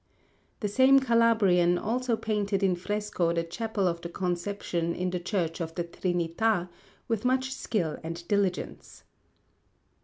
The same Calabrian also painted in fresco the Chapel of the Conception in the Church of the Trinità, with much skill and diligence.